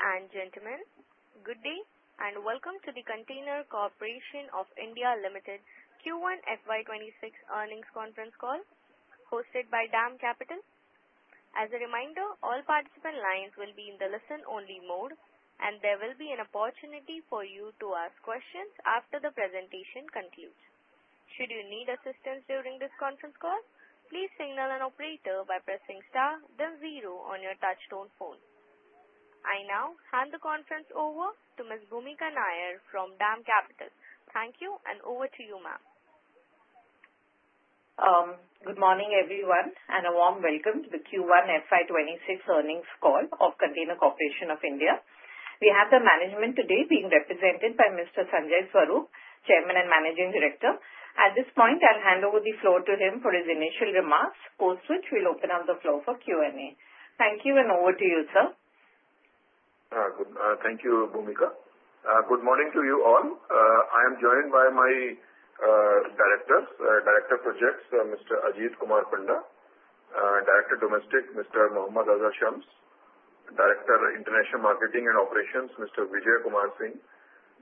Ladies and gentlemen, good day and welcome to the Container Corporation of India Limited Q1 FY 2026 earnings conference call hosted by DAM Capital. As a reminder, all participant lines will be in the listen-only mode, and there will be an opportunity for you to ask questions after the presentation concludes. Should you need assistance during this conference call, please signal an operator by pressing star, then zero on your touch-tone phone. I now hand the conference over to Ms. Bhoomika Nair from DAM Capital. Thank you, and over to you, ma'am. Good morning, everyone, and a warm welcome to the Q1 FY26 earnings call of Container Corporation of India. We have the management today being represented by Mr. Sanjay Swarup, Chairman and Managing Director. At this point, I'll hand over the floor to him for his initial remarks, post which we'll open up the floor for Q&A. Thank you, and over to you, sir. Thank you, Bhoomika. Good morning to you all. I am joined by my directors, Director of Projects, Mr. Ajit Kumar Panda, Director of Domestic, Mr. Mohammad Azhar Shams, Director of International Marketing and Operations, Mr. Vijay Kumar Singh,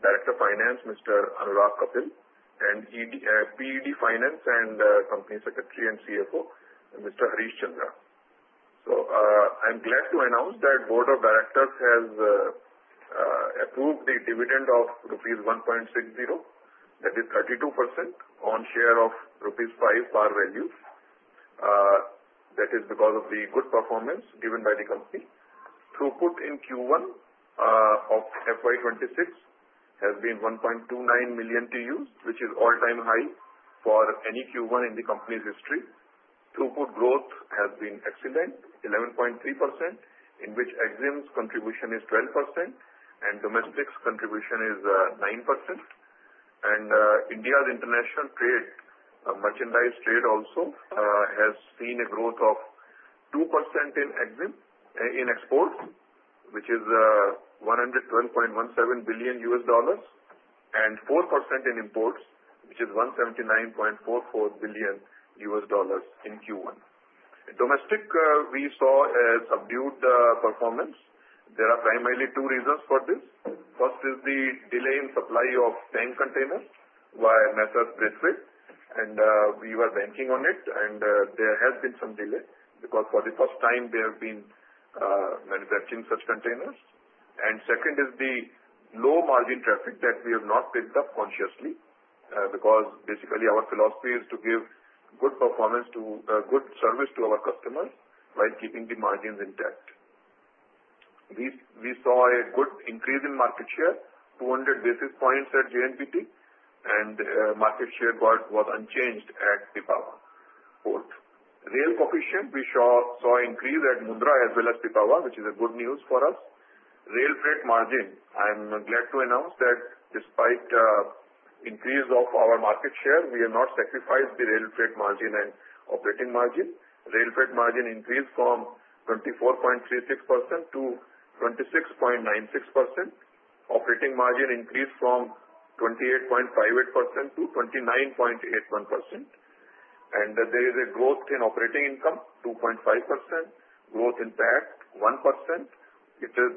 Director of Finance, Mr. Anurag Kapil, and PED Finance and Company Secretary and CFO, Mr. Harish Chandra. I'm glad to announce that the Board of Directors has approved the dividend of rupees 1.60, that is 32% on share of rupees 5 par value. That is because of the good performance given by the company. Throughput in Q1 of FY 2026 has been 1.29 million TEU, which is an all-time high for any Q1 in the company's history. Throughput growth has been excellent, 11.3%, in which EXIM contribution is 12%, and domestic contribution is 9%. India's international trade, merchandise trade also, has seen a growth of 2% in exports, which is $112.17 billion, and 4% in imports, which is $179.44 billion in Q1. Domestic, we saw a subdued performance. There are primarily two reasons for this. First is the delay in supply of tank containers via methods bridges, and we were banking on it, and there has been some delay because for the first time they have been manufacturing such containers. Second is the low margin traffic that we have not picked up consciously because basically our philosophy is to give good performance, good service to our customers while keeping the margins intact. We saw a good increase in market share, 200 basis points at JNPT, and market share was unchanged at Pipavav. Fourth, rail coefficient, we saw an increase at Mundra as well as Pipavav, which is good news for us. Rail freight margin. I'm glad to announce that despite the increase of our market share, we have not sacrificed the rail freight margin and operating margin. Rail freight margin increased from 24.36% to 26.96%. Operating margin increased from 28.58% to 29.81%. And there is a growth in operating income, 2.5%. Growth in PAT, 1%. It is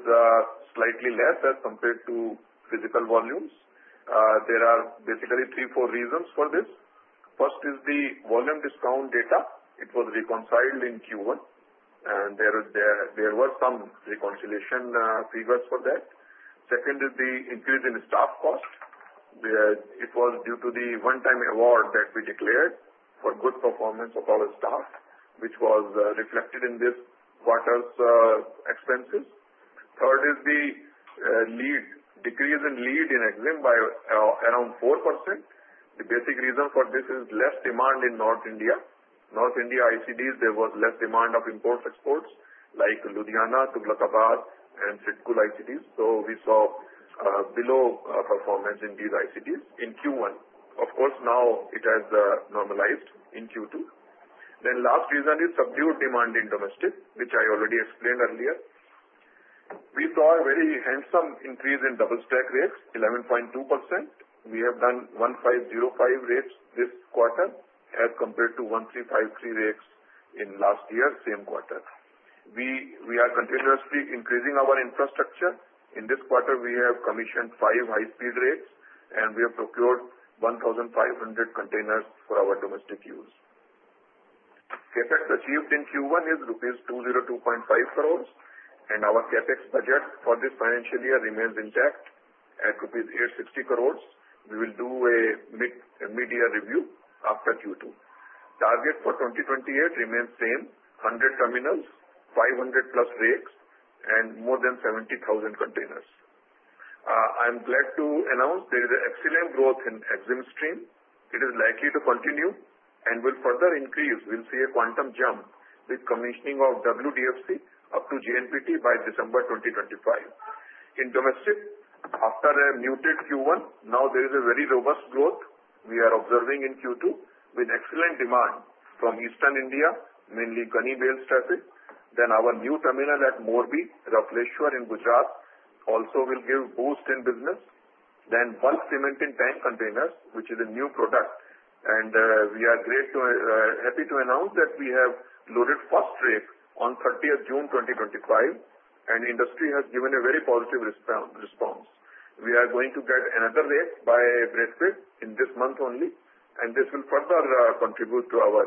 slightly less as compared to physical volumes. There are basically three, four reasons for this. First is the volume discount data. It was reconciled in Q1, and there were some reconciliation figures for that. Second is the increase in staff cost. It was due to the one-time award that we declared for good performance of our staff, which was reflected in this quarter's expenses. Third is the decrease in lead in EXIM by around 4%. The basic reason for this is less demand in North India. North India ICDs, there was less demand of imports, exports, like Ludhiana, Tughlakabad, and SIDCUL ICDs. So we saw below performance in these ICDs in Q1. Of course, now it has normalized in Q2. Then last reason is subdued demand in domestic, which I already explained earlier. We saw a very handsome increase in double-stack rakes, 11.2%. We have done 1,505 rakes this quarter as compared to 1,353 rakes in last year, same quarter. We are continuously increasing our infrastructure. In this quarter, we have commissioned five high-speed rakes, and we have procured 1,500 containers for our domestic use. CapEx achieved in Q1 is rupees 202.5 crores, and our CapEx budget for this financial year remains intact at rupees 860 crores. We will do a mid-year review after Q2. Target for 2028 remains same, 100 terminals, 500 plus rakes, and more than 70,000 containers. I'm glad to announce there is excellent growth in EXIM stream. It is likely to continue and will further increase. We'll see a quantum jump with commissioning of WDFC up to JNPT by December 2025. In domestic, after a muted Q1, now there is a very robust growth we are observing in Q2 with excellent demand from Eastern India, mainly gunny bales traffic. Then our new terminal at Morbi, Ankleshwar in Gujarat also will give boost in business. Then bulk cement and tank containers, which is a new product. And we are happy to announce that we have loaded first rake on 30th June 2025, and industry has given a very positive response. We are going to get another rake by Braithwaite in this month only, and this will further contribute to our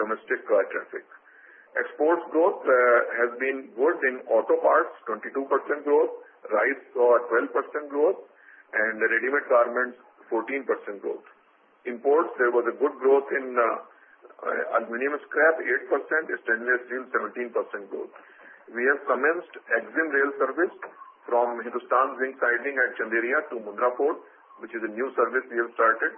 domestic traffic. Exports growth has been good in auto parts, 22% growth. Rice saw a 12% growth, and ready-made garments, 14% growth. Imports, there was a good growth in aluminum scrap, 8%, stainless steel, 17% growth. We have commenced EXIM rail service from Hindustan Zinc siding at Chanderia to Mundra Port, which is a new service we have started.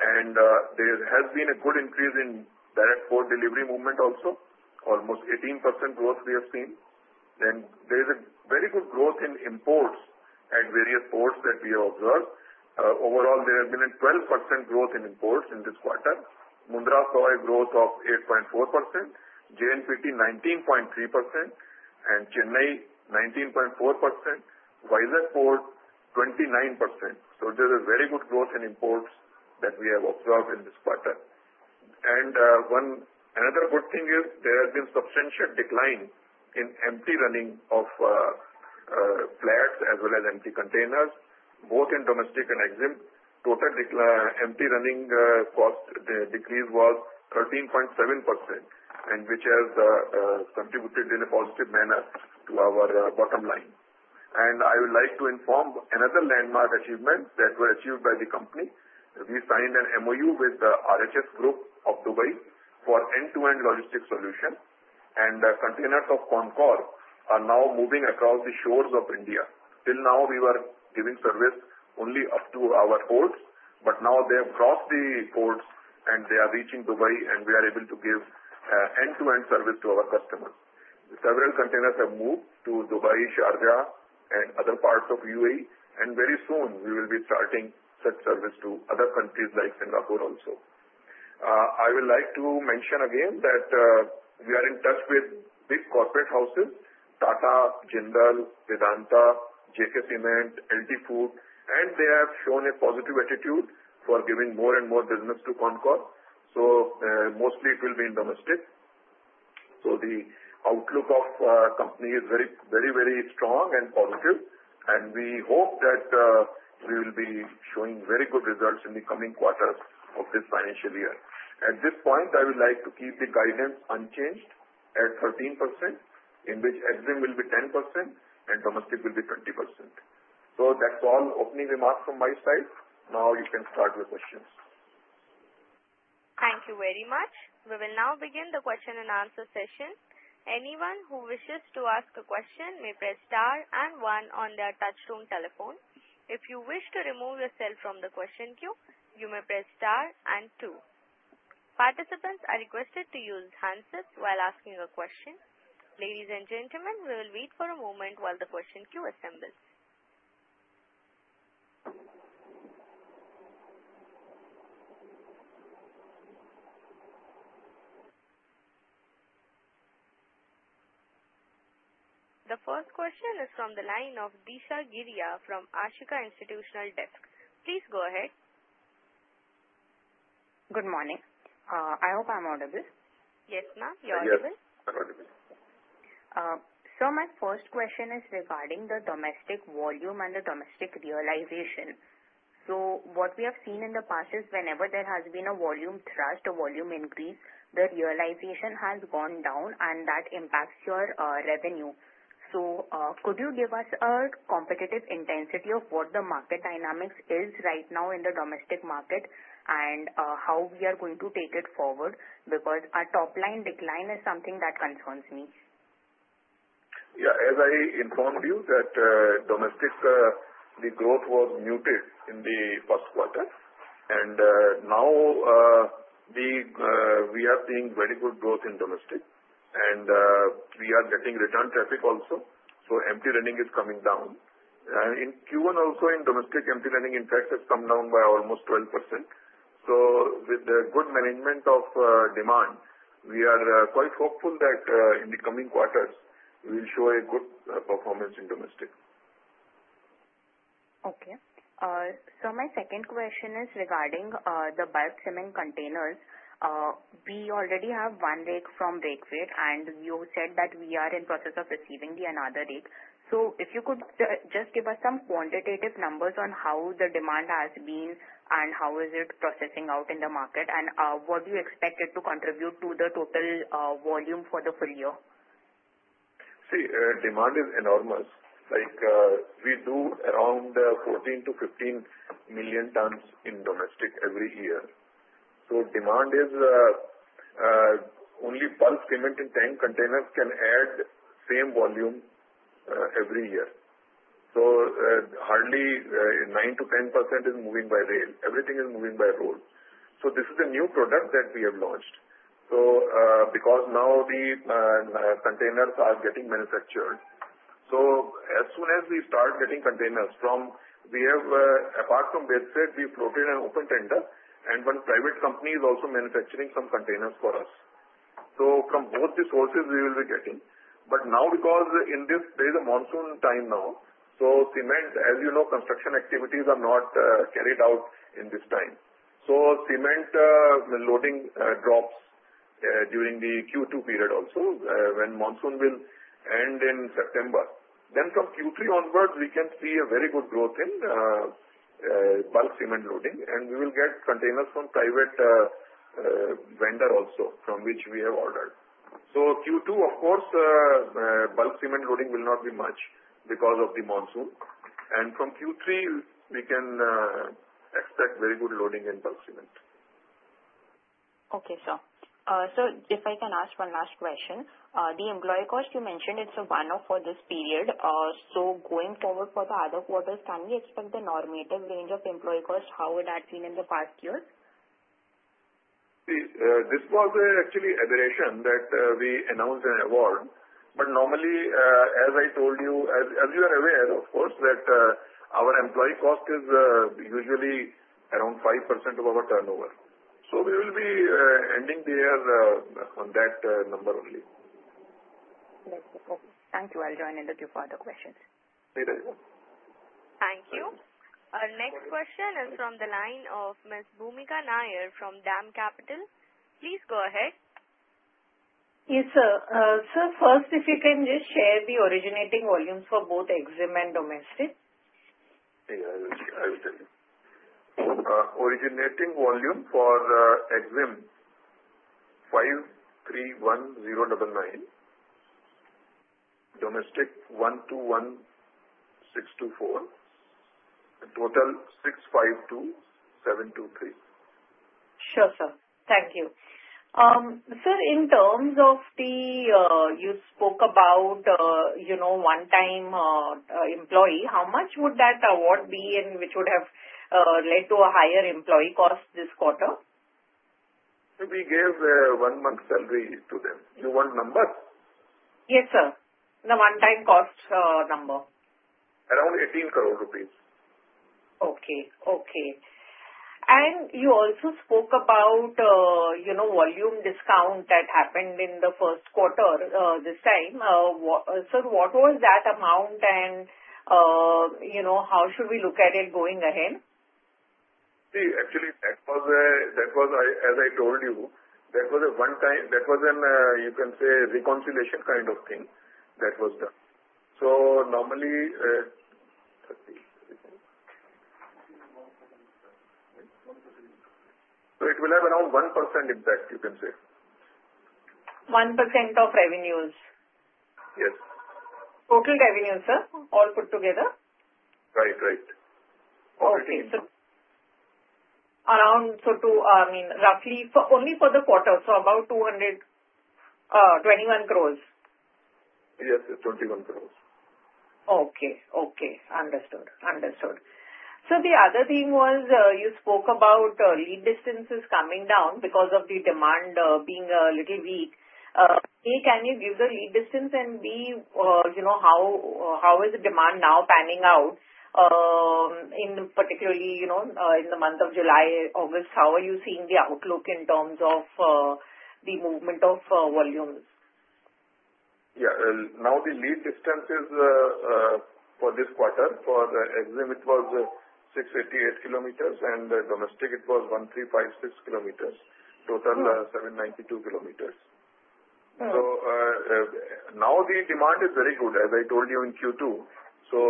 And there has been a good increase in direct port delivery movement also, almost 18% growth we have seen. Then there is a very good growth in imports at various ports that we have observed. Overall, there has been a 12% growth in imports in this quarter. Mundra saw a growth of 8.4%, JNPT 19.3%, and Chennai 19.4%, Visakhapatnam Port 29%. So there is a very good growth in imports that we have observed in this quarter. Another good thing is there has been substantial decline in empty running of flats as well as empty containers, both in domestic and EXIM. Total empty running cost decrease was 13.7%, which has contributed in a positive manner to our bottom line. I would like to inform another landmark achievement that was achieved by the company. We signed an MoU with the RHS Group of Dubai for end-to-end logistics solution, and containers of CONCOR are now moving across the shores of India. Till now, we were giving service only up to our ports, but now they have crossed the ports and they are reaching Dubai, and we are able to give end-to-end service to our customers. Several containers have moved to Dubai, Sharjah, and other parts of UAE, and very soon we will be starting such service to other countries like Singapore also. I would like to mention again that we are in touch with big corporate houses, Tata, Jindal, Vedanta, JK Cement, LT Foods, and they have shown a positive attitude for giving more and more business to CONCOR. So mostly it will be in domestic. The outlook of the company is very, very strong and positive, and we hope that we will be showing very good results in the coming quarters of this financial year. At this point, I would like to keep the guidance unchanged at 13%, in which EXIM will be 10% and domestic will be 20%. That's all opening remarks from my side. Now you can start with questions. Thank you very much. We will now begin the question and answer session. Anyone who wishes to ask a question may press star and one on their touch-tone telephone. If you wish to remove yourself from the question queue, you may press star and two. Participants are requested to use handsets while asking a question. Ladies and gentlemen, we will wait for a moment while the question queue assembles. The first question is from the line of Disha Giria from Ashika Institutional Desk. Please go ahead. Good morning. I hope I'm audible. Yes, ma'am, you're audible. Yes, I'm audible. So my first question is regarding the domestic volume and the domestic realization. So what we have seen in the past is whenever there has been a volume thrust, a volume increase, the realization has gone down, and that impacts your revenue. So could you give us a competitive intensity of what the market dynamics is right now in the domestic market and how we are going to take it forward? Because our top-line decline is something that concerns me. Yeah, as I informed you that domestic, the growth was muted in the first quarter, and now we are seeing very good growth in domestic, and we are getting return traffic also. So empty running is coming down. And in Q1 also, in domestic, empty running index has come down by almost 12%. So with the good management of demand, we are quite hopeful that in the coming quarters, we will show a good performance in domestic. Okay. So my second question is regarding the bulk cement containers. We already have one rake from Braithwaite, and you said that we are in the process of receiving the another rake. So if you could just give us some quantitative numbers on how the demand has been and how is it processing out in the market, and what do you expect it to contribute to the total volume for the full year? See, demand is enormous. We do around 14-15 million tons in domestic every year. So demand is only bulk cement and tank containers can add same volume every year. So hardly 9-10% is moving by rail. Everything is moving by road. So this is a new product that we have launched. So because now the containers are getting manufactured, so as soon as we start getting containers from, we have, apart from Braithwaite, we floated an open tender, and one private company is also manufacturing some containers for us. So from both the sources, we will be getting. But now, because these days it is monsoon time now, so cement, as you know, construction activities are not carried out in this time. So cement loading drops during the Q2 period also, when monsoon will end in September. Then from Q3 onwards, we can see a very good growth in bulk cement loading, and we will get containers from private vendor also from which we have ordered. So Q2, of course, bulk cement loading will not be much because of the monsoon. And from Q3, we can expect very good loading in bulk cement. Okay, sir. So if I can ask one last question, the employee cost you mentioned, it's a one-off for this period. So going forward for the other quarters, can we expect the normative range of employee costs? How would that be in the past year? See, this was actually a duration that we announced an award. But normally, as I told you, as you are aware, of course, that our employee cost is usually around 5% of our turnover. So we will be ending there on that number only. Thank you. I'll join in with you for other questions. See you later. Thank you. Our next question is from the line of Ms. Bhoomika Nair from DAM Capital. Please go ahead. Yes, sir. Sir, first, if you can just share the originating volumes for both EXIM and domestic? Yeah, I will tell you. Originating volume for EXIM 531099, domestic 121624, and total 652723. Sure, sir. Thank you. Sir, in terms of the, you spoke about one-time employee, how much would that award be and which would have led to a higher employee cost this quarter? We gave one-month salary to them. You want numbers? Yes, sir. The one-time cost number. Around INR 18 crore. Okay. And you also spoke about volume discount that happened in the first quarter this time. Sir, what was that amount and how should we look at it going ahead? See, actually, as I told you, that was a one-time, you can say, reconciliation kind of thing that was done. So normally, it will have around 1% impact, you can say. 1% of revenues? Yes. Total revenues, sir? All put together? Right, right. Okay. I mean, roughly only for the quarter, so about 21 crores? Yes, 21 crores. Okay. Understood. So the other thing was you spoke about lead distances coming down because of the demand being a little weak. Can you give the lead distance and how is the demand now panning out in particularly in the month of July, August? How are you seeing the outlook in terms of the movement of volumes? Yeah. Now the lead distances for this quarter for EXIM, it was 688 km, and domestic it was 1356 km, total 792 km. So now the demand is very good, as I told you in Q2. So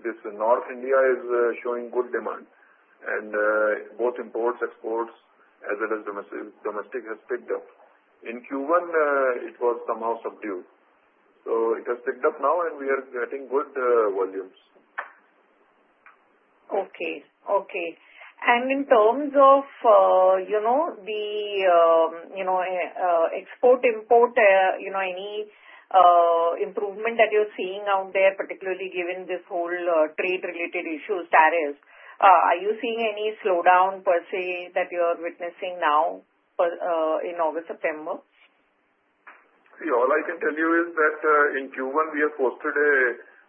this North India is showing good demand, and both imports, exports, as well as domestic has picked up. In Q1, it was somehow subdued. So it has picked up now, and we are getting good volumes. Okay. Okay. And in terms of the export-import, any improvement that you're seeing out there, particularly given this whole trade-related issue, tariffs, are you seeing any slowdown per se that you're witnessing now in August, September? See, all I can tell you is that in Q1, we have posted a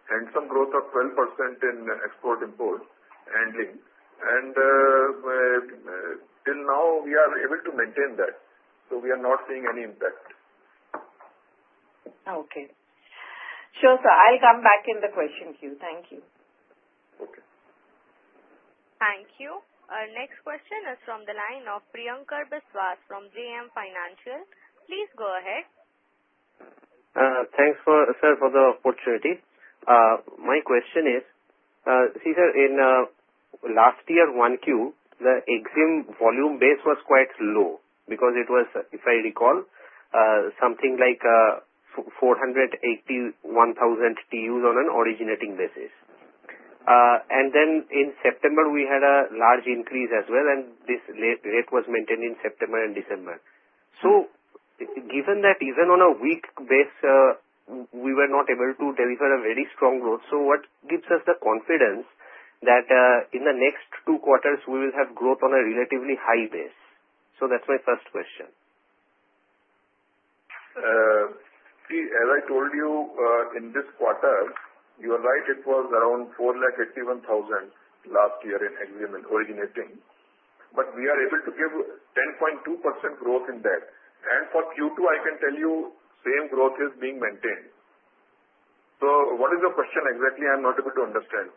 handsome growth of 12% in export-import handling. And till now, we are able to maintain that. So we are not seeing any impact. Okay. Sure, sir. I'll come back in the question queue. Thank you. Okay. Thank you. Our next question is from the line of Priyankar Biswas from JM Financial. Please go ahead. Thanks, sir, for the opportunity. My question is, see, sir, in last year Q1, the EXIM volume base was quite low because it was, if I recall, something like 481,000 TEUs on an originating basis. And then in September, we had a large increase as well, and this rate was maintained in September and December. So given that even on a weak base, we were not able to deliver a very strong growth. So what gives us the confidence that in the next two quarters, we will have growth on a relatively high base? So that's my first question. See, as I told you, in this quarter, you are right, it was around 481,000 last year in EXIM and originating. But we are able to give 10.2% growth in that. And for Q2, I can tell you same growth is being maintained. So what is the question exactly? I'm not able to understand.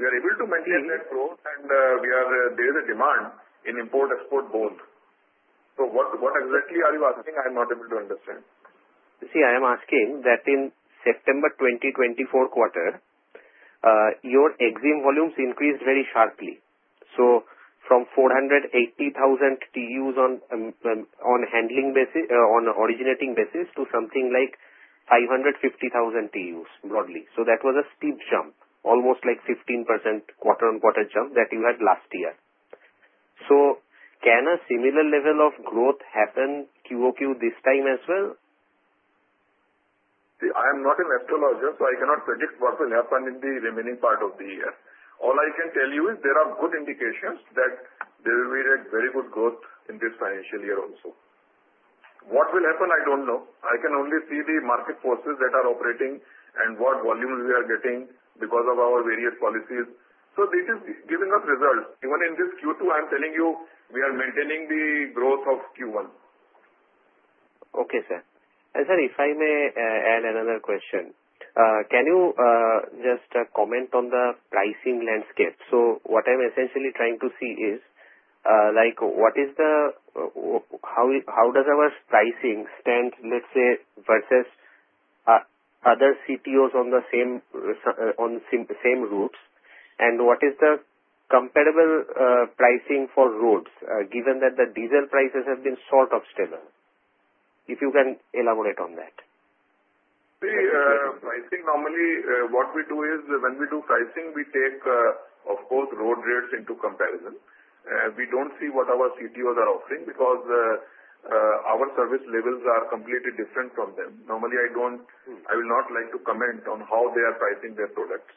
We are able to maintain that growth, and there is a demand in import-export both. So what exactly are you asking? I'm not able to understand. See, I am asking that in September 2024 quarter, your EXIM volumes increased very sharply. So from 480,000 TUs on originating basis to something like 550,000 TUs broadly. So that was a steep jump, almost like 15% quarter-on-quarter jump that you had last year. So can a similar level of growth happen QOQ this time as well? See, I am not an astrologer, so I cannot predict what will happen in the remaining part of the year. All I can tell you is there are good indications that there will be very good growth in this financial year also. What will happen, I don't know. I can only see the market forces that are operating and what volume we are getting because of our various policies. So it is giving us results. Even in this Q2, I'm telling you, we are maintaining the growth of Q1. Okay, sir. Sir, if I may add another question, can you just comment on the pricing landscape? So what I'm essentially trying to see is what is the how does our pricing stand, let's say, versus other CTOs on the same routes? And what is the comparable pricing for roads, given that the diesel prices have been sort of stable? If you can elaborate on that. See, pricing normally, what we do is when we do pricing, we take, of course, road rates into comparison. We don't see what our CTOs are offering because our service levels are completely different from them. Normally, I will not like to comment on how they are pricing their products.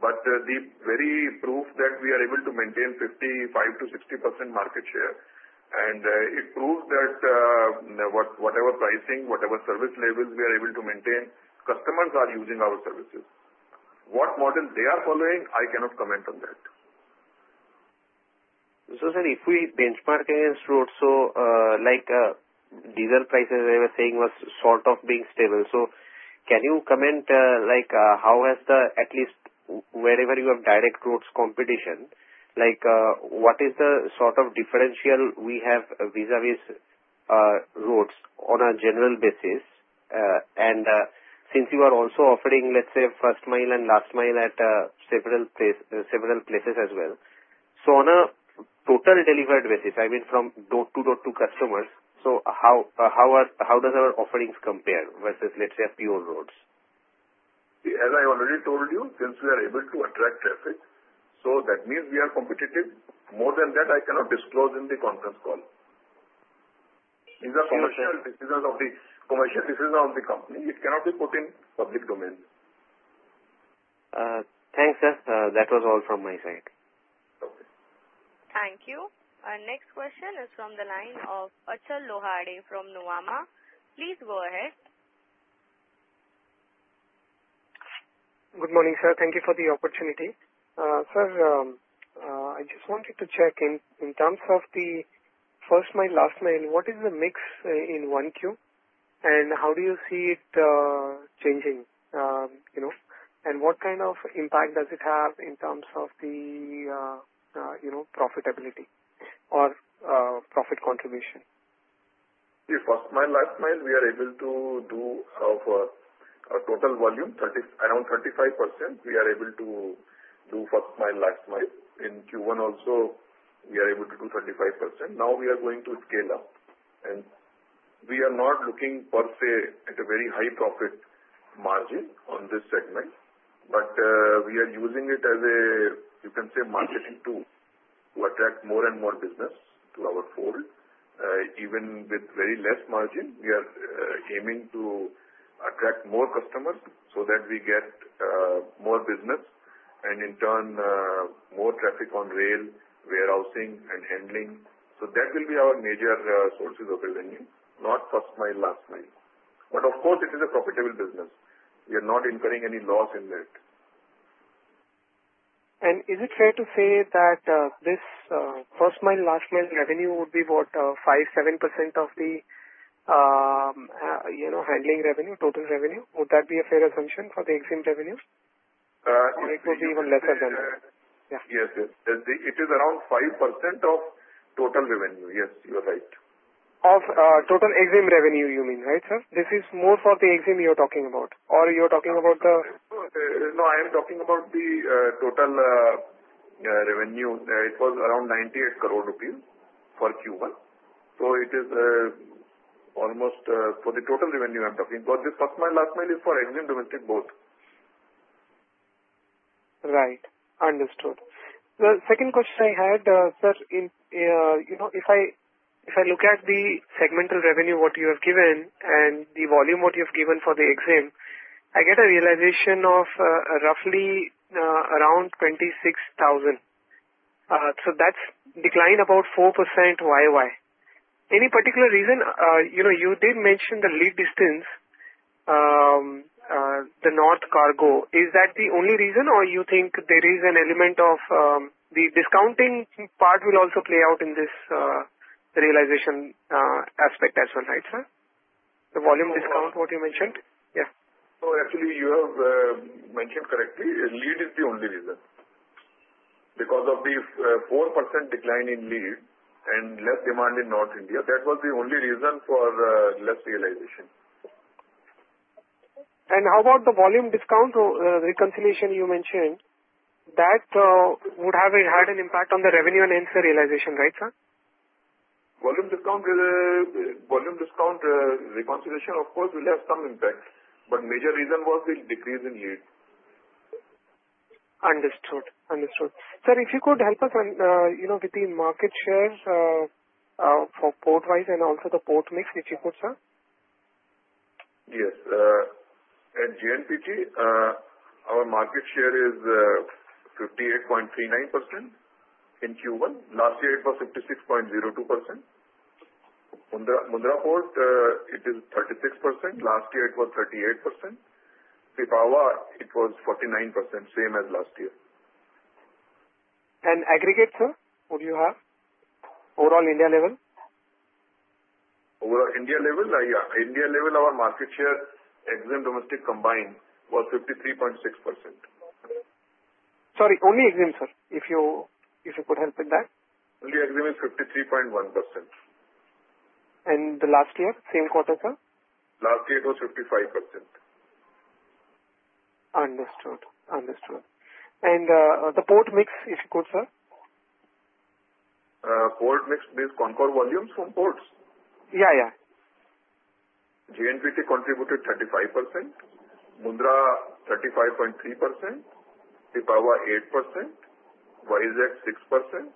But the very proof that we are able to maintain 55%-60% market share, and it proves that whatever pricing, whatever service levels we are able to maintain, customers are using our services. What model they are following, I cannot comment on that. So, sir, if we benchmark against roads, so diesel prices, as I was saying, was sort of being stable. So can you comment how has the, at least wherever you have direct roads competition, what is the sort of differential we have vis-à-vis roads on a general basis? And since you are also offering, let's say, first mile and last mile at several places as well, so on a total delivered basis, I mean, from door to door to customers, so how does our offerings compare versus, let's say, pure roads? See, as I already told you, since we are able to attract traffic, so that means we are competitive. More than that, I cannot disclose in the conference call. These are commercial decisions of the commercial decisions of the company. It cannot be put in public domain. Thanks, sir. That was all from my side. Okay. Thank you. Our next question is from the line of Achal Lohade from Nuvama. Please go ahead. Good morning, sir. Thank you for the opportunity. Sir, I just wanted to check in terms of the first mile, last mile, what is the mix in Q1, and how do you see it changing, and what kind of impact does it have in terms of the profitability or profit contribution? See, first mile, last mile, we are able to do our total volume around 35%. We are able to do first mile, last mile. In Q1 also, we are able to do 35%. Now we are going to scale up, and we are not looking per se at a very high profit margin on this segment, but we are using it as a, you can say, marketing tool to attract more and more business to our fold. Even with very less margin, we are aiming to attract more customers so that we get more business and, in turn, more traffic on rail, warehousing, and handling, so that will be our major sources of revenue, not first mile, last mile, but of course, it is a profitable business. We are not incurring any loss in that. Is it fair to say that this first mile, last mile revenue would be what, 5%, 7% of the handling revenue, total revenue? Would that be a fair assumption for the EXIM revenue? Yes, sir. Or it would be even lesser than that? Yes, yes. It is around 5% of total revenue. Yes, you are right. Of total EXIM revenue, you mean, right, sir? This is more for the EXIM you're talking about, or you're talking about the? No, I am talking about the total revenue. It was around 98 crore rupees for Q1. So it is almost for the total revenue I'm talking. But this first mile, last mile is for EXIM and domestic both. Right. Understood. The second question I had, sir, if I look at the segmental revenue what you have given and the volume what you have given for the EXIM, I get a realization of roughly around 26,000. So that's declined about 4% YY. Any particular reason? You did mention the lead distance, the North Cargo. Is that the only reason, or you think there is an element of the discounting part will also play out in this realization aspect as well, right, sir? The volume discount what you mentioned? Yeah. No, actually, you have mentioned correctly. Lead is the only reason. Because of the 4% decline in lead and less demand in North India, that was the only reason for less realization. How about the volume discount reconciliation you mentioned? That would have had an impact on the revenue and end realization, right, sir? Volume discount reconciliation, of course, will have some impact, but major reason was the decrease in lead. Understood. Understood. Sir, if you could help us with the market shares for port-wise and also the port mix, if you could, sir? Yes. At JNPT, our market share is 58.39% in Q1. Last year, it was 56.02%. Mundra Port, it is 36%. Last year, it was 38%. Pipavav, it was 49%, same as last year. Aggregate, sir, what do you have? Overall India level? Overall India level? Yeah. India level, our market share, EXIM domestic combined was 53.6%. Sorry, only EXIM, sir, if you could help with that. Only EXIM is 53.1%. The last year, same quarter, sir? Last year, it was 55%. Understood. Understood. And the port mix, if you could, sir? Port mix means CONCOR volumes from ports? Yeah, yeah. JNPT contributed 35%, Mundra 35.3%, Pipavav 8%, Vizag 6%,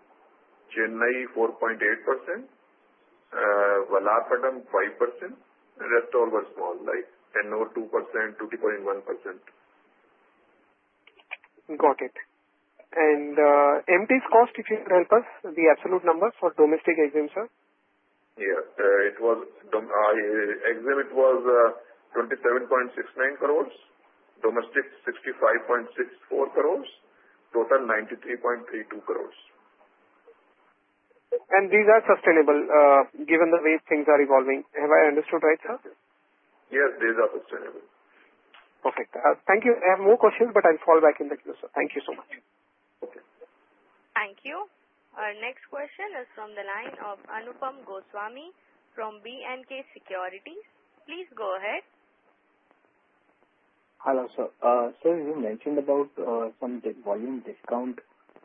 Chennai 4.8%, Vallarpadam 5%. The rest all were small, like 10 or 2%, 20.1%. Got it. And MT's cost, if you could help us, the absolute number for domestic EXIM, sir? Yeah. EXIM, it was 27.69 crores, domestic 65.64 crores, total 93.32 crores. These are sustainable given the way things are evolving. Have I understood right, sir? Yes, these are sustainable. Perfect. Thank you. I have more questions, but I'll fall back in the queue, sir. Thank you so much. Okay. Thank you. Our next question is from the line of Anupam Goswami from B&K Securities. Please go ahead. Hello, sir. Sir, you mentioned about some volume discount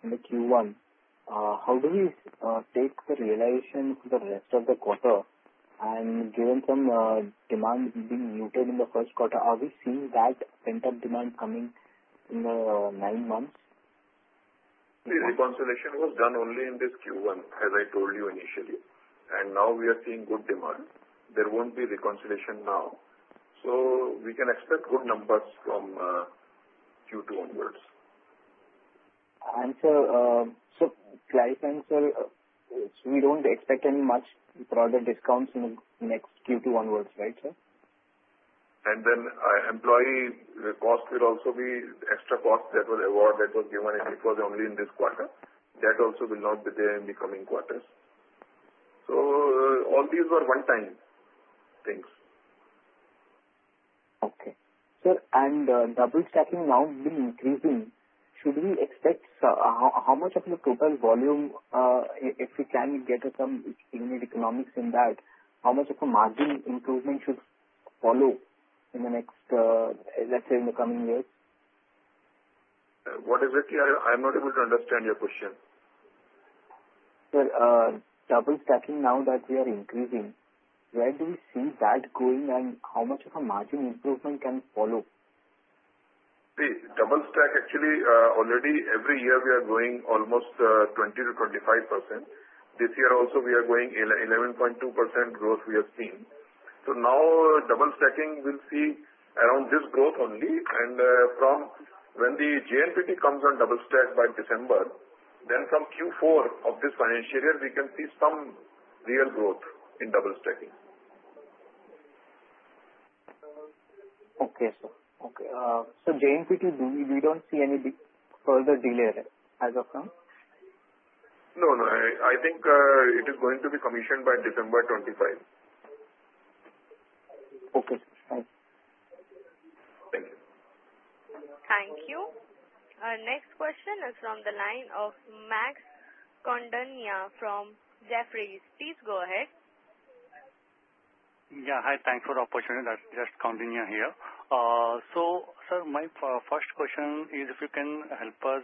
in the Q1. How do we take the realization for the rest of the quarter? And given some demand being muted in the first quarter, are we seeing that pent-up demand coming in the nine months? See, reconciliation was done only in this Q1, as I told you initially. And now we are seeing good demand. There won't be reconciliation now. So we can expect good numbers from Q2 onwards. Sir, so client answer, we don't expect any much broader discounts in the next Q2 onwards, right, sir? Then employee cost will also be extra cost that was awarded, that was given if it was only in this quarter. That also will not be there in the coming quarters. All these are one-time things. Okay. Sir, and double-checking now, we've been increasing. Should we expect how much of the total volume, if we can get some unit economics in that, how much of a margin improvement should follow in the next, let's say, in the coming years? What exactly? I'm not able to understand your question. Sir, double-stacking now that we are increasing, where do we see that going and how much of a margin improvement can follow? See, double-stack, actually, already every year we are going almost 20%-25%. This year also, we are going 11.2% growth we have seen. So now double-stacking, we'll see around this growth only. And when the JNPT comes on double-stack by December, then from Q4 of this financial year, we can see some real growth in double-stacking. Okay, sir. Okay. So JNPT, we don't see any further delay there as of now? No, no. I think it is going to be commissioned by December 2025. Okay, sir. Thank you. Thank you. Thank you. Our next question is from the line of Max Condonia from Jefferies. Please go ahead. Yeah. Hi. Thanks for the opportunity. That's just Condonia here, so sir, my first question is if you can help us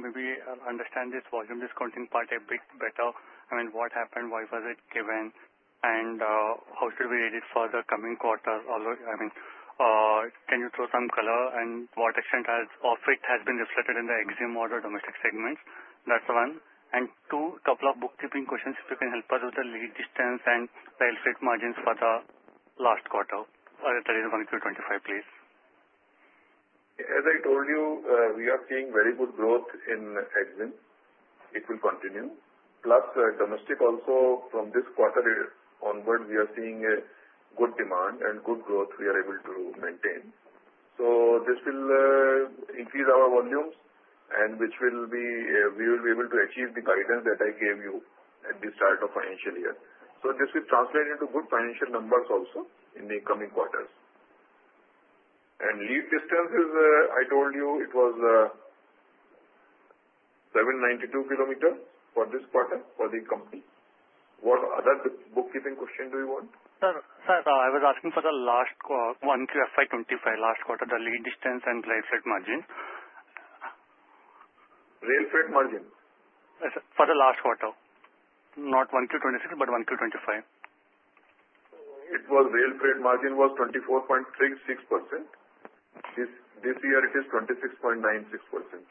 maybe understand this volume discounting part a bit better. I mean, what happened? Why was it given, and how should we read it for the coming quarter? I mean, can you throw some color and what extent of it has been reflected in the EXIM or the domestic segments? That's one, and two, a couple of bookkeeping questions. If you can help us with the lead distance and the Rail Freight margins for the last quarter, that is 1Q 2025, please. As I told you, we are seeing very good growth in EXIM. It will continue. Plus, domestic also from this quarter onwards, we are seeing good demand and good growth we are able to maintain, so this will increase our volumes, and we will be able to achieve the guidance that I gave you at the start of financial year. So this will translate into good financial numbers also in the coming quarters, and lead distance, as I told you, it was 792 km for this quarter for the company. What other bookkeeping question do you want? Sir, I was asking for the last one, Q1 FY 2025, last quarter, the lead distance and flat margin. Rail Freight margin? Yes, sir. For the last quarter. Not 1Q 2026, but 1Q 2025. It was Rail Freight margin 24.36%. This year, it is 26.96%. Sure. Sir,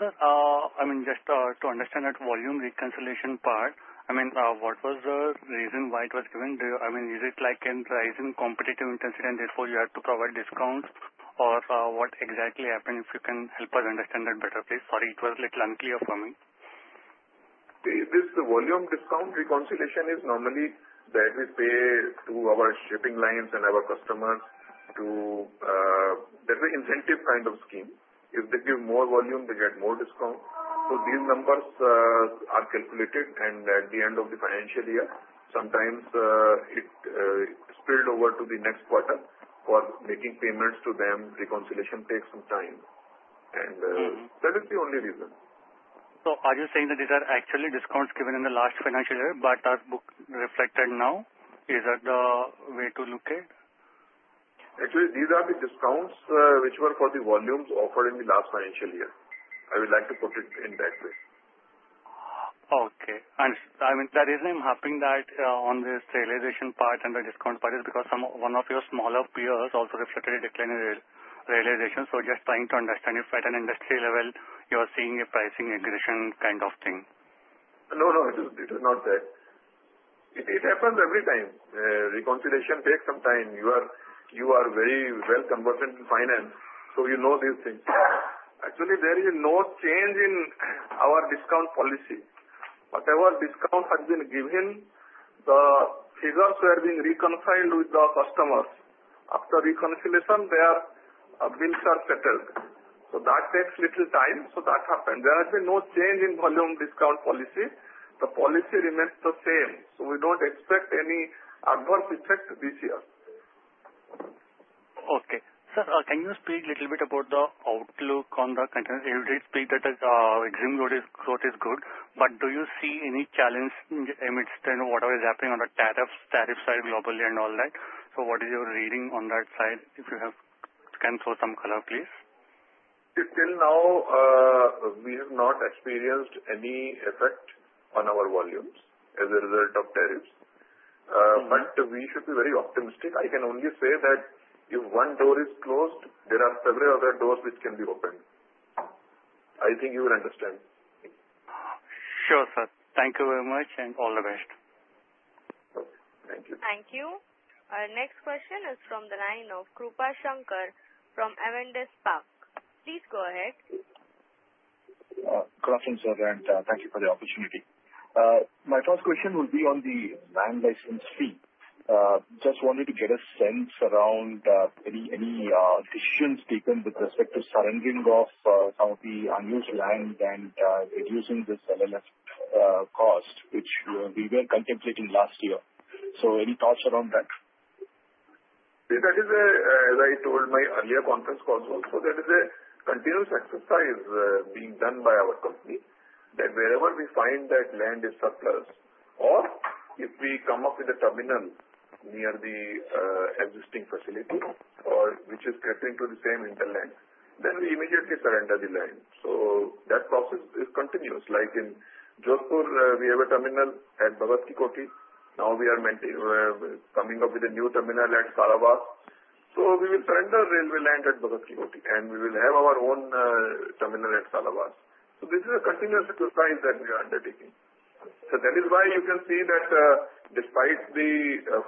I mean, just to understand that volume reconciliation part, I mean, what was the reason why it was given? I mean, is it like in rising competitive intensity and therefore you have to provide discounts? Or what exactly happened? If you can help us understand that better, please. Sorry, it was a little unclear for me. This volume discount reconciliation is normally that we pay to our shipping lines and our customers. That's an incentive kind of scheme. If they give more volume, they get more discount. So these numbers are calculated, and at the end of the financial year, sometimes it spilled over to the next quarter for making payments to them. Reconciliation takes some time, and that is the only reason. So are you saying that these are actually discounts given in the last financial year, but are reflected now? Is that the way to look at? Actually, these are the discounts which were for the volumes offered in the last financial year. I would like to put it in that way. Okay. I mean, the reason I'm hoping that on the realization part and the discount part is because one of your smaller peers also reflected a decline in realization. So just trying to understand if at an industry level, you are seeing a pricing regression kind of thing? No, no. It is not that. It happens every time. Reconciliation takes some time. You are very well conversant in finance, so you know these things. Actually, there is no change in our discount policy. Whatever discount has been given, the figures were being reconciled with the customers. After reconciliation, their bills are settled. So that takes little time, so that happens. There has been no change in volume discount policy. The policy remains the same. So we don't expect any adverse effect this year. Okay. Sir, can you speak a little bit about the outlook on the container? You did speak that the EXIM growth is good, but do you see any challenge amidst whatever is happening on the tariffs side globally and all that? So what is your reading on that side? If you can throw some color, please. Still now, we have not experienced any effect on our volumes as a result of tariffs. But we should be very optimistic. I can only say that if one door is closed, there are several other doors which can be opened. I think you will understand. Sure, sir. Thank you very much and all the best. Okay. Thank you. Thank you. Our next question is from the line of Krupashankar from Avendus Spark. Please go ahead. Good afternoon, sir, and thank you for the opportunity. My first question will be on the land license fee. Just wanted to get a sense around any decisions taken with respect to surrendering of some of the unused land and reducing this LLF cost, which we were contemplating last year. So any thoughts around that? That is, as I told my earlier conference calls, also that is a continuous exercise being done by our company that wherever we find that land is surplus, or if we come up with a terminal near the existing facility, which is catering to the same inland, then we immediately surrender the land. So that process is continuous. Like in Jodhpur, we have a terminal at Bhagat Ki Kothi. Now we are coming up with a new terminal at Salawas. So we will surrender railway land at Bhagat Ki Kothi, and we will have our own terminal at Salawas. So this is a continuous exercise that we are undertaking. So that is why you can see that despite the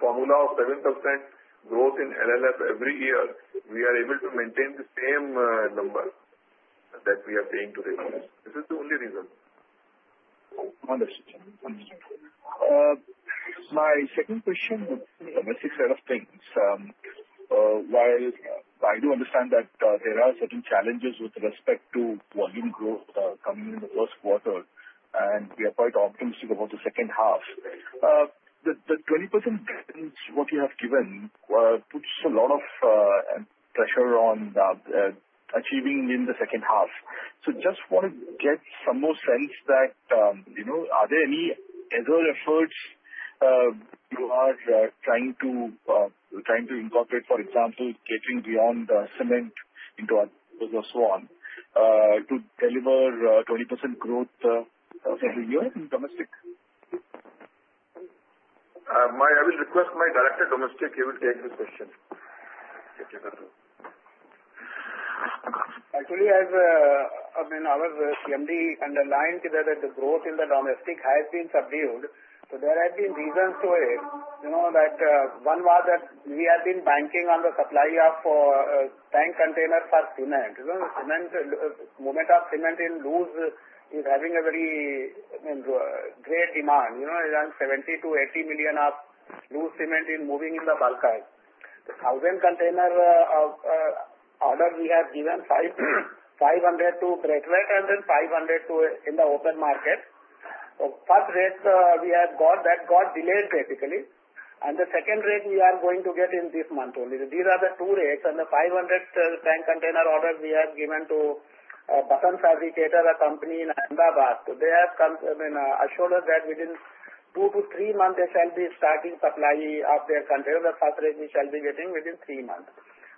formula of 7% growth in LLF every year, we are able to maintain the same number that we are paying to railways. This is the only reason. Understood. Understood. My second question would be domestic side of things. While I do understand that there are certain challenges with respect to volume growth coming in the first quarter, and we are quite optimistic about the second half. The 20% guidance, what you have given, puts a lot of pressure on achieving in the second half. So just want to get some more sense that are there any other efforts you are trying to incorporate, for example, catering beyond cement into other things and so on, to deliver 20% growth every year in domestic? I will request my director domestic. He will take this question. Actually, I mean, our CMD underlined that the growth in the domestic has been subdued. So there have been reasons to it. One was that we have been banking on the supply of tank containers for cement. The movement of cement in loose is having a very great demand. Around 70-80 million of loose cement is moving in the tank cans. The 1,000 container order we have given, 500 to Braithwaite and then 500 in the open market. So first rake we have got that got delayed basically. And the second rake we are going to get in this month only. These are the two rakes. And the 500 tank container order we have given to Vasant Fabricators, a company in Ahmedabad. They have come to us and assured us that within two to three months, they shall be starting supply of their containers. The first rake we shall be getting within three months.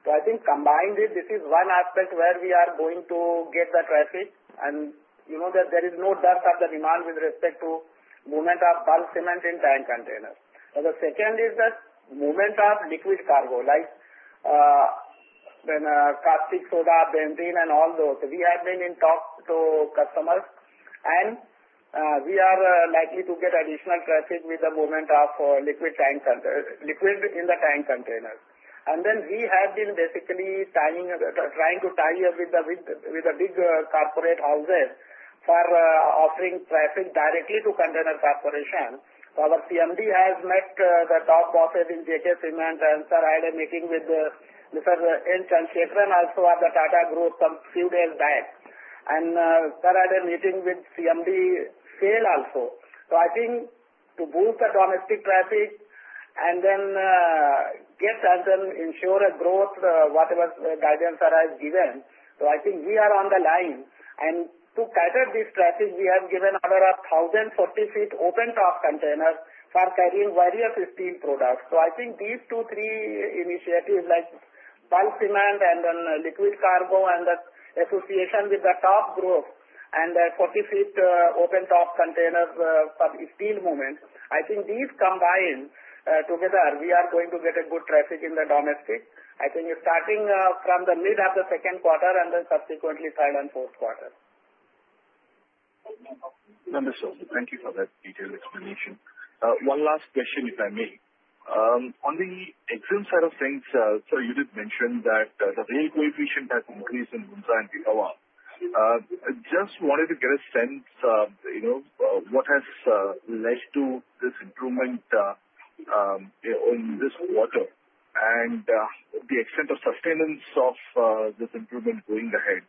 I think combined, this is one aspect where we are going to get the traffic. There is no doubt of the demand with respect to movement of bulk cement in tank containers. The second is the movement of liquid cargo, like plastic, soda, benzene, and all those. We have been in talks with customers, and we are likely to get additional traffic with the movement of liquid in the tank containers. Then we have been basically trying to tie up with the big corporate houses for offering traffic directly to container corporation. Our CMD has met the top bosses in JK Cement, and Sir had a meeting with Mr. N. Chandrasekaran also at the Tata Group some few days back. Sir had a meeting with CMD SAIL also. I think to boost the domestic traffic and then get and ensure a growth, whatever guidance Sir has given. We are on the line. To cater this traffic, we have given over 1,040 40-foot open-top containers for carrying various steel products. These two, three initiatives, like bulk cement and then liquid cargo and the association with the Tata Group and 40-foot open-top containers for the steel movement, I think these combined together, we are going to get a good traffic in the domestic. It's starting from the mid of the second quarter and then subsequently third and fourth quarter. Understood. Thank you for that detailed explanation. One last question, if I may. On the EXIM side of things, sir, you did mention that the rail coefficient has increased in Mundra and Pipavav. Just wanted to get a sense of what has led to this improvement in this quarter and the extent of sustenance of this improvement going ahead.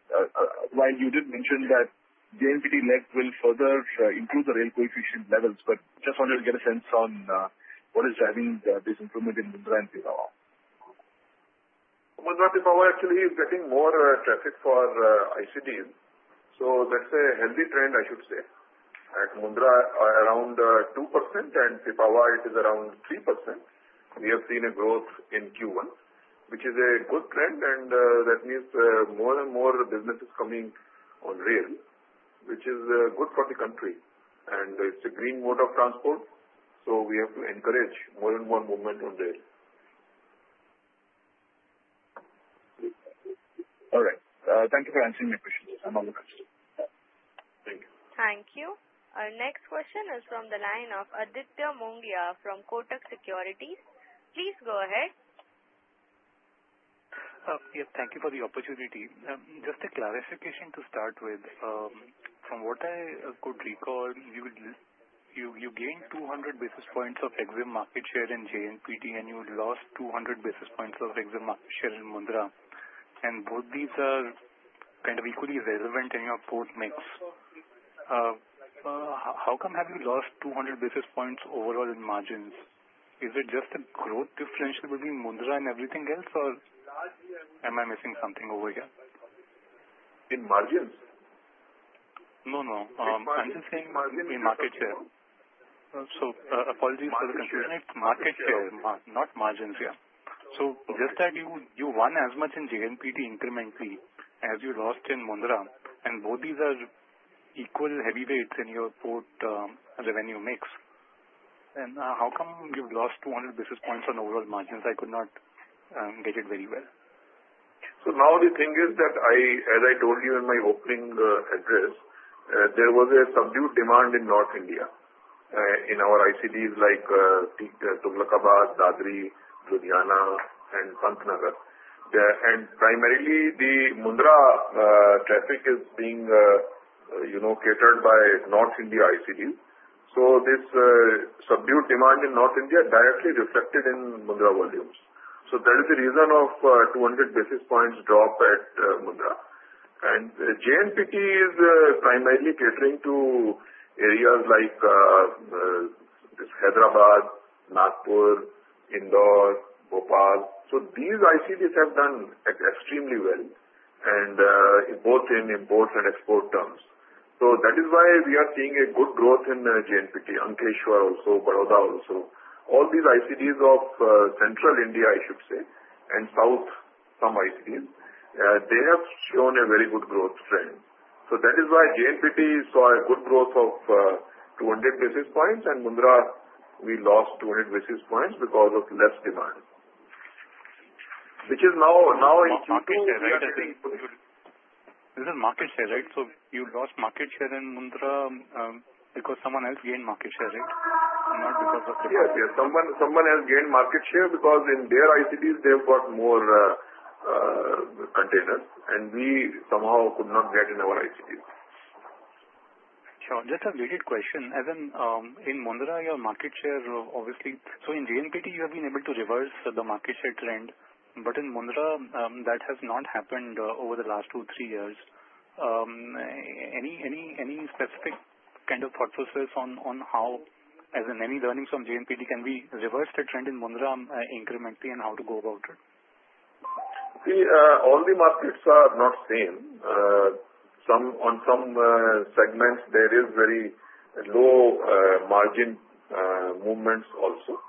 While you did mention that JNPT link will further improve the rail coefficient levels, but just wanted to get a sense on what is driving this improvement in Mundra and Pipavav. Mundra and Pipavav actually is getting more traffic for ICDs. So that's a healthy trend, I should say. At Mundra, around 2%, and Pipavav, it is around 3%. We have seen a growth in Q1, which is a good trend, and that means more and more businesses coming on rail, which is good for the country, and it's a green mode of transport, so we have to encourage more and more movement on rail. All right. Thank you for answering my questions. I'm on the next. Thank you. Thank you. Our next question is from the line of Aditya Mongia from Kotak Securities. Please go ahead. Yes. Thank you for the opportunity. Just a clarification to start with. From what I could recall, you gained 200 basis points of EXIM market share in JNPT, and you lost 200 basis points of EXIM market share in Mundra. And both these are kind of equally relevant in your port mix. How come have you lost 200 basis points overall in margins? Is it just a growth differential between Mundra and everything else, or am I missing something over here? In margins? No, no. I'm just saying in market share. So apologies for the confusion. It's market share, not margins here. So just that you won as much in JNPT incrementally as you lost in Mundra, and both these are equal heavyweights in your core revenue mix. Then how come you've lost 200 basis points on overall margins? I could not get it very well. Now the thing is that, as I told you in my opening address, there was a subdued demand in North India in our ICDs like Tughlakabad, Dadri, Ludhiana, and Pantnagar. Primarily, the Mundra traffic is being catered by North India ICDs. This subdued demand in North India directly reflected in Mundra volumes. That is the reason of 200 basis points drop at Mundra. JNPT is primarily catering to areas like this Hyderabad, Nagpur, Indore, Bhopal. These ICDs have done extremely well, both in import and export terms. That is why we are seeing a good growth in JNPT. Ankleshwar also, Baroda also. All these ICDs of Central India, I should say, and South, some ICDs, they have shown a very good growth trend. So that is why JNPT saw a good growth of 200 basis points, and Mundra, we lost 200 basis points because of less demand, which is now in Q2. Market share, right? This is market share, right? So you lost market share in Mundra because someone else gained market share, right? Not because of the quote. Yes, yes. Someone else gained market share because in their ICDs, they've got more containers, and we somehow could not get in our ICDs. Sure. Just a vague question. As in Mundra, your market share obviously. So in JNPT, you have been able to reverse the market share trend, but in Mundra, that has not happened over the last two, three years. Any specific kind of thought process on how, as in any learnings from JNPT, can we reverse the trend in Mundra incrementally and how to go about it? See, all the markets are not the same. On some segments, there is very low margin movements also,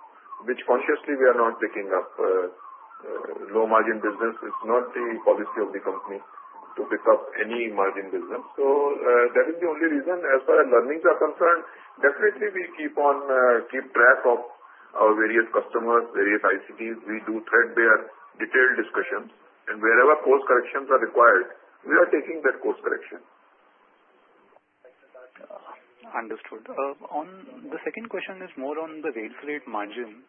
which consciously we are not picking up. Low margin business is not the policy of the company to pick up any margin business. So that is the only reason. As far as learnings are concerned, definitely we keep track of our various customers, various ICDs. We do threadbare detailed discussions, and wherever course corrections are required, we are taking that course correction. Understood. The second question is more on the rail freight margin.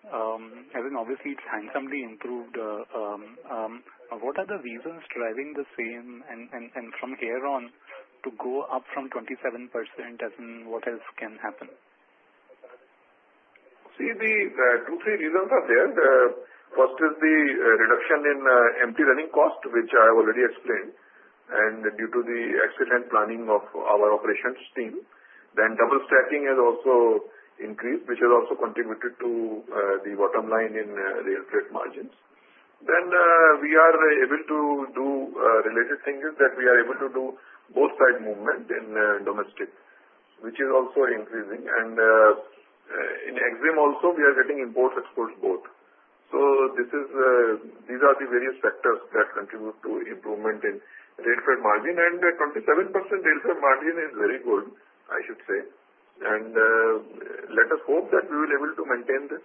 As in, obviously, it's handsomely improved. What are the reasons driving the same, and from here on to go up from 27%? As in, what else can happen? See, the two, three reasons are there. First is the reduction in empty running cost, which I already explained, and due to the excellent planning of our operations team, then double stacking has also increased, which has also contributed to the bottom line in rail freight margins, then we are able to do related things that we are able to do both side movement in domestic, which is also increasing, and in EXIM also, we are getting import-export both, so these are the various factors that contribute to improvement in rail freight margin, and the 27% rail freight margin is very good, I should say, and let us hope that we will be able to maintain this.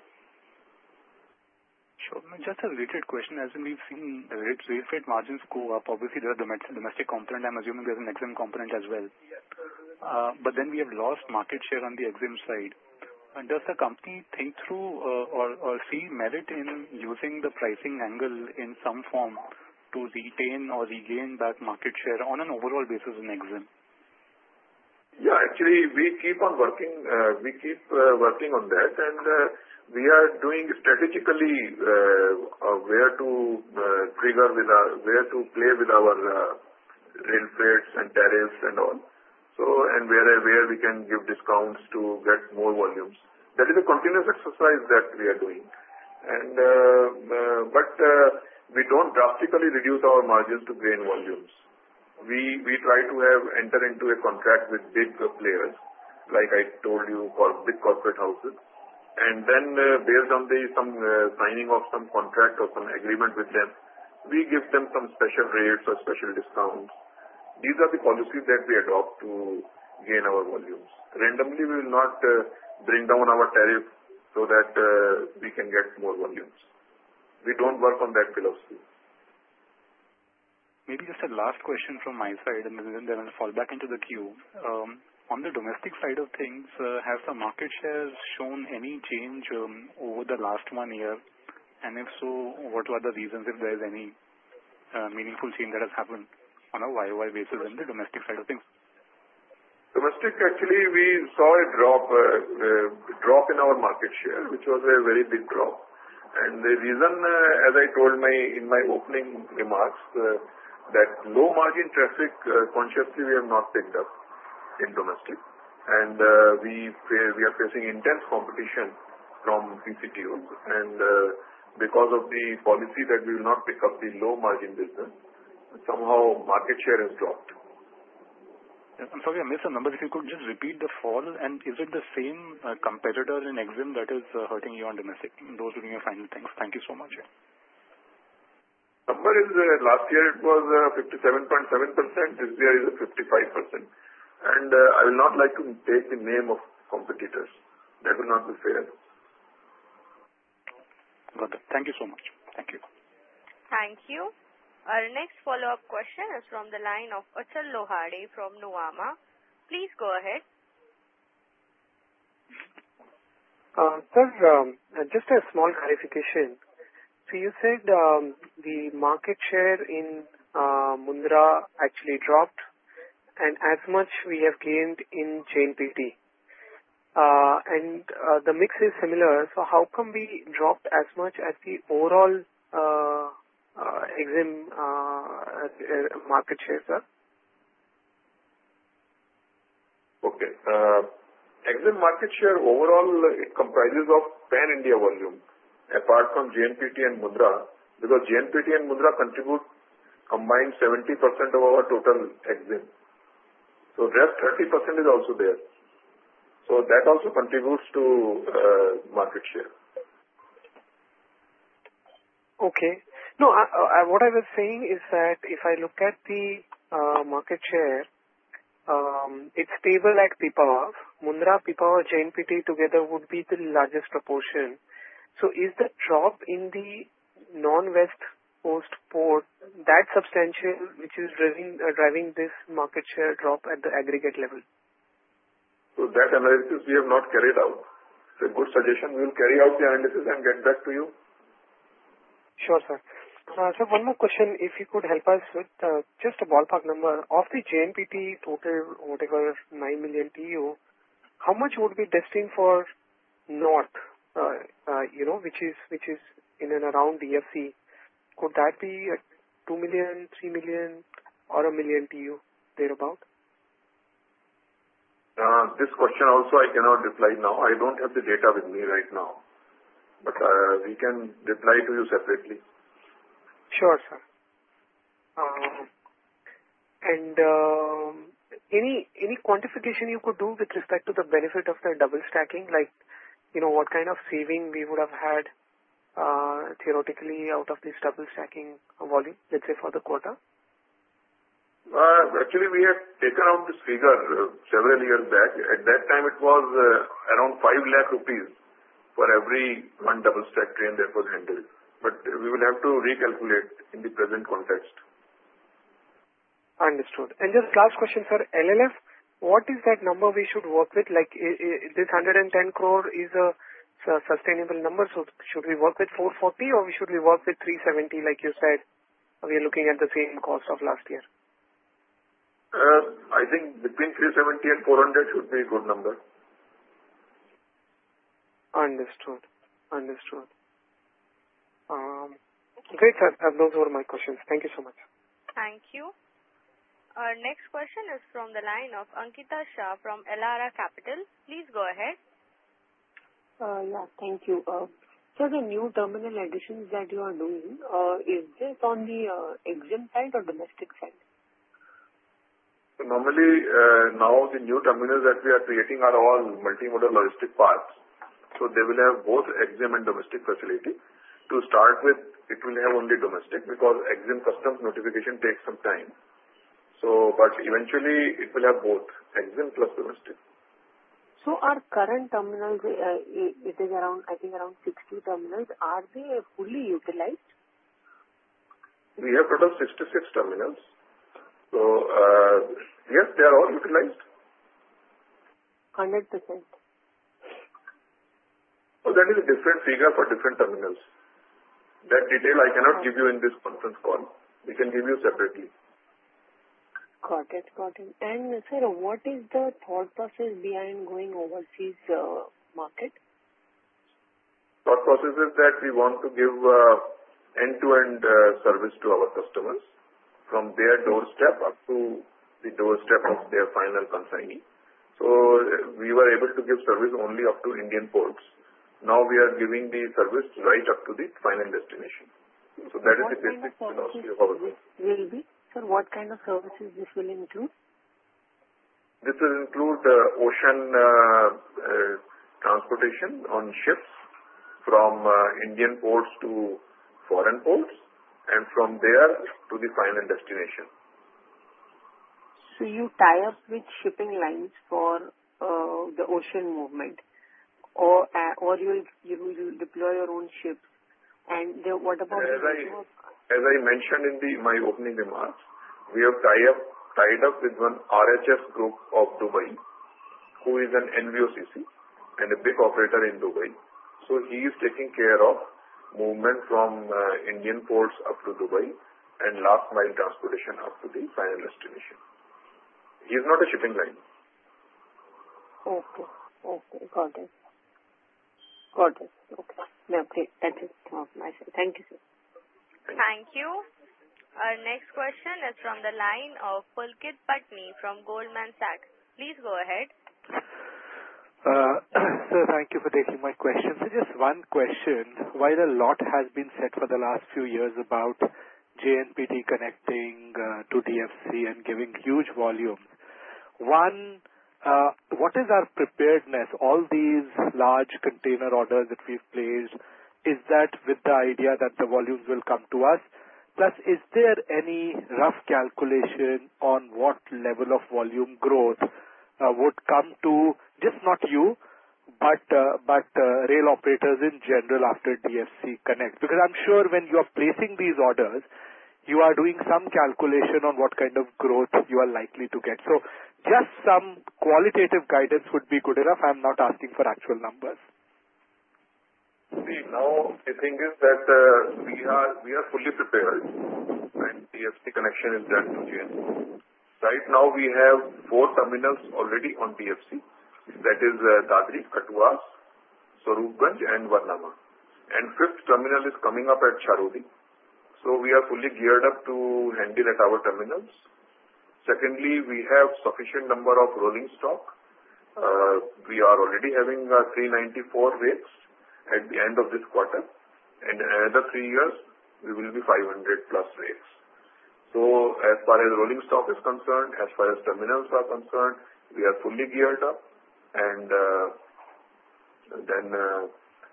Sure. Just a vague question. As in, we've seen rail freight margins go up. Obviously, there are domestic components. I'm assuming there's an EXIM component as well. But then we have lost market share on the EXIM side. Does the company think through or see merit in using the pricing angle in some form to retain or regain back market share on an overall basis in EXIM? Yeah. Actually, we keep on working. We keep working on that, and we are doing strategically where to play with our rail freights and tariffs and all, and where we can give discounts to get more volumes. That is a continuous exercise that we are doing. But we don't drastically reduce our margins to gain volumes. We try to enter into a contract with big players, like I told you, for big corporate houses. And then based on the signing of some contract or some agreement with them, we give them some special rates or special discounts. These are the policies that we adopt to gain our volumes. Randomly, we will not bring down our tariffs so that we can get more volumes. We don't work on that philosophy. Maybe just a last question from my side, and then I'll fall back into the queue. On the domestic side of things, has the market share shown any change over the last one year? And if so, what were the reasons, if there is any meaningful change that has happened on a year-on-year basis in the domestic side of things? Domestic, actually, we saw a drop in our market share, which was a very big drop. And the reason, as I told in my opening remarks, that low margin traffic consciously we have not picked up in domestic. And we are facing intense competition from VCTOs. And because of the policy that we will not pick up the low margin business, somehow market share has dropped. I'm sorry. I missed a number. If you could just repeat the full, and is it the same competitor in EXIM that is hurting you on domestic? Those would be my final things. Thank you so much. Last year, it was 57.7%. This year is 55%. And I would not like to take the name of competitors. That would not be fair. Got it. Thank you so much. Thank you. Thank you. Our next follow-up question is from the line of Achal Lohade from Nuvama. Please go ahead. Sir, just a small clarification. So you said the market share in Mundra actually dropped, and as much we have gained in JNPT, and the mix is similar. So how come we dropped as much as the overall EXIM market share, sir? Okay. EXIM market share overall, it comprises of Pan India volume, apart from JNPT and Mundra, because JNPT and Mundra contribute combined 70% of our total EXIM. So the rest 30% is also there. So that also contributes to market share. Okay. No, what I was saying is that if I look at the market share, it's stable at Pipavav. Mundra, Pipavav, JNPT together would be the largest proportion. So is the drop in the non-West Coast port that substantial, which is driving this market share drop at the aggregate level? So that analysis we have not carried out. It's a good suggestion. We'll carry out the analysis and get back to you. Sure, sir. Sir, one more question. If you could help us with just a ballpark number, of the JNPT total, whatever, 9 million TEU, how much would be destined for North, which is in and around DFC? Could that be 2 million, 3 million, or a million TEU thereabout? This question also, I cannot reply now. I don't have the data with me right now, but we can reply to you separately. Sure, sir. And any quantification you could do with respect to the benefit of the double stacking, like what kind of saving we would have had theoretically out of this double stacking volume, let's say, for the quota? Actually, we have taken out this figure several years back. At that time, it was around 5 lakh rupees for every one double-stack train that was handled. But we will have to recalculate in the present context. Understood. And just last question, sir. LLF, what is that number we should work with? This 110 crore is a sustainable number. So should we work with 440, or should we work with 370, like you said, we are looking at the same cost of last year? I think between 370 and 400 should be a good number. Understood. Understood. Great, sir. Those were my questions. Thank you so much. Thank you. Our next question is from the line of Ankita Shah from Elara Capital. Please go ahead. Yeah. Thank you. Sir, the new terminal additions that you are doing, is this on the EXIM side or domestic side? Normally, now the new terminals that we are creating are all multimodal logistics parks. So they will have both EXIM and domestic facility. To start with, it will have only domestic because EXIM customs notification takes some time. But eventually, it will have both EXIM plus domestic. So our current terminals, it is, I think, around 60 terminals. Are they fully utilized? We have total 66 terminals. So yes, they are all utilized. 100%. So that is a different figure for different terminals. That detail, I cannot give you in this conference call. We can give you separately. Got it. Got it. And sir, what is the thought process behind going overseas market? Thought process is that we want to give end-to-end service to our customers from their doorstep up to the doorstep of their final consignee. So we were able to give service only up to Indian ports. Now we are giving the service right up to the final destination. So that is the basic philosophy of our business. Will be. Sir, what kind of services this will include? This will include ocean transportation on ships from Indian ports to foreign ports and from there to the final destination. So you tie up with shipping lines for the ocean movement, or you deploy your own ships. And what about? As I mentioned in my opening remarks, we have tied up with one RHS Group of Dubai, who is an NVOCC and a big operator in Dubai. So he is taking care of movement from Indian ports up to Dubai and last mile transportation up to the final destination. He is not a shipping line. Okay. Got it. That's it. Thank you, sir. Thank you. Our next question is from the line of Pulkit Patni from Goldman Sachs. Please go ahead. Sir, thank you for taking my question. So just one question. While a lot has been said for the last few years about JNPT connecting to DFC and giving huge volumes, one, what is our preparedness? All these large container orders that we've placed, is that with the idea that the volumes will come to us? Plus, is there any rough calculation on what level of volume growth would come to just not you, but rail operators in general after DFC connect? Because I'm sure when you are placing these orders, you are doing some calculation on what kind of growth you are likely to get. So just some qualitative guidance would be good enough. I'm not asking for actual numbers. See, now the thing is that we are fully prepared, and DFC connection is ready to JNPT. Right now, we have four terminals already on DFC. That is Dadri, Kathuwas, Swarupganj, and Varnama, and fifth terminal is coming up at Charodi, so we are fully geared up to handle at our terminals. Secondly, we have sufficient number of rolling stock. We are already having 394 rakes at the end of this quarter, and in another three years, we will be 500 plus rakes, so as far as rolling stock is concerned, as far as terminals are concerned, we are fully geared up, and then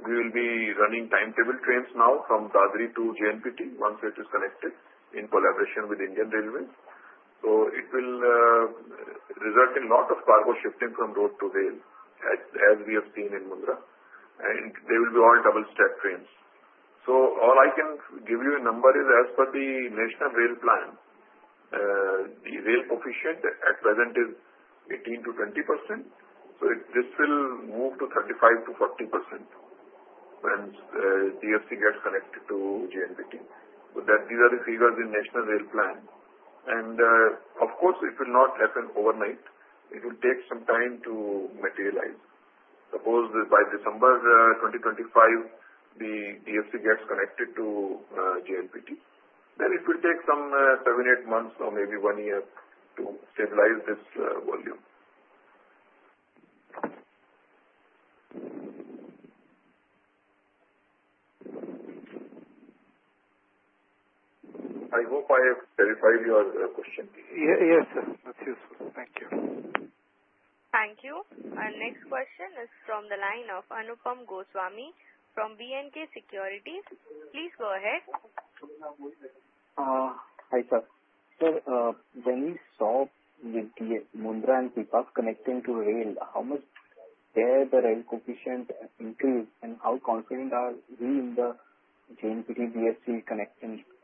we will be running timetable trains now from Dadri to JNPT once it is connected in collaboration with Indian Railways. So it will result in a lot of cargo shifting from road to rail, as we have seen in Mundra. And they will be all double-stack trains. So all I can give you a number is as per the National Rail Plan, the rail proportion at present is 18%-20%. So this will move to 35%-40% when DFC gets connected to JNPT. So these are the figures in National Rail Plan. And of course, it will not happen overnight. It will take some time to materialize. Suppose by December 2025, the DFC gets connected to JNPT, then it will take some seven, eight months or maybe one year to stabilize this volume. I hope I have clarified your question. Yes, sir. That's useful. Thank you. Thank you. Our next question is from the line of Anupam Goswami from B&K Securities. Please go ahead. Hi, sir. Sir, when we saw with Mundra and Pipavav connecting to rail, how much did the rail coefficient increase? And how confident are we in the JNPT-DFC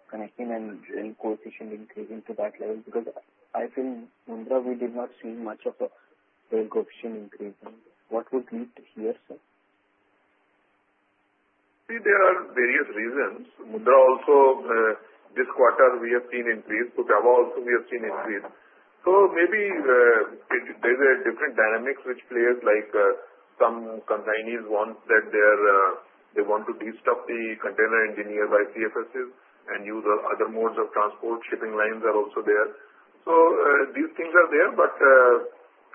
connection and rail coefficient increasing to that level? Because I feel Mundra, we did not see much of a rail coefficient increase. What would lead to here, sir? See, there are various reasons. Mundra also, this quarter, we have seen increase. Pipavav also, we have seen increase, so maybe there's a different dynamic which players like some consignees want that they want to destock the containers in yards by CFSs and use other modes of transport. Shipping lines are also there, so these things are there, but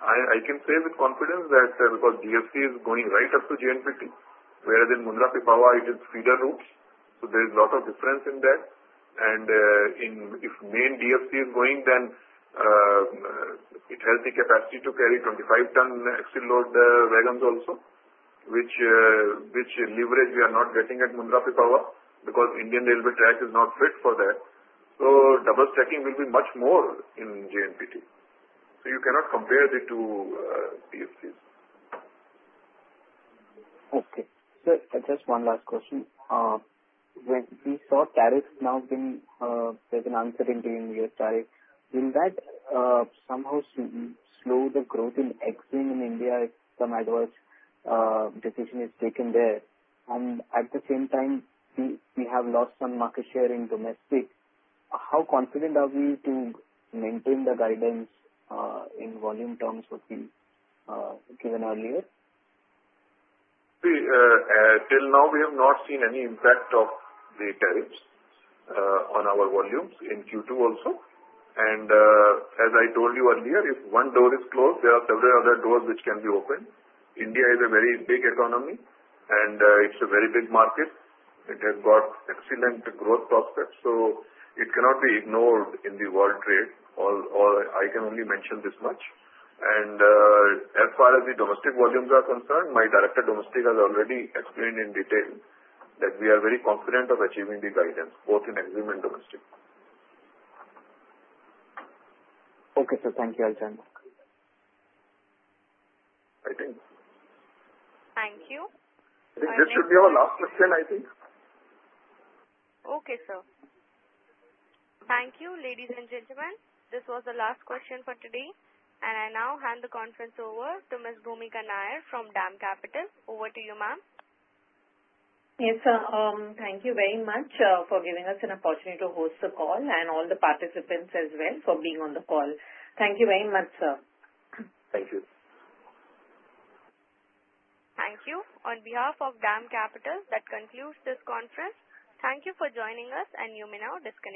I can say with confidence that because DFC is going right up to JNPT, whereas in Mundra, Pipavav, it is feeder routes, so there is a lot of difference in that and if main DFC is going, then it has the capacity to carry 25-ton axle load wagons also, which leverage we are not getting at Mundra, Pipavav, because Indian Railways track is not fit for that, so double stacking will be much more in JNPT, so you cannot compare the two DFCs. Okay. Sir, just one last question. When we saw tariffs now being given uncertainty in U.S. tariffs, will that somehow slow the growth in exports in India if some adverse decision is taken there? And at the same time, we have lost some market share in domestic. How confident are we to maintain the guidance in volume terms what we given earlier? See, till now, we have not seen any impact of the tariffs on our volumes in Q2 also. And as I told you earlier, if one door is closed, there are several other doors which can be opened. India is a very big economy, and it's a very big market. It has got excellent growth prospects. So it cannot be ignored in the world trade. I can only mention this much. And as far as the domestic volumes are concerned, my Director, Domestic, has already explained in detail that we are very confident of achieving the guidance, both in EXIM and domestic. Okay, sir. Thank you, Aljan. I think. Thank you. I think this should be our last question, I think. Okay, sir. Thank you, ladies and gentlemen. This was the last question for today, and I now hand the conference over to Ms. Bhoomika Nair from DAM Capital. Over to you, ma'am. Yes, sir. Thank you very much for giving us an opportunity to host the call and all the participants as well for being on the call. Thank you very much, sir. Thank you. Thank you. On behalf of DAM Capital, that concludes this conference. Thank you for joining us, and you may now disconnect.